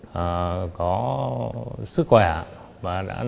và một người xã đội trưởng